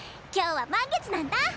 今日は満月なんだ！